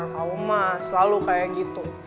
kau mah selalu kayak gitu